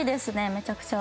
めちゃくちゃ。